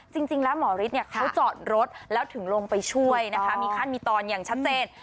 จริงแล้วหมอฤทธิ์เขาจอดรถแล้วถึงลงไปช่วยนะคะมีขั้นมีตอนอย่างชัดเจน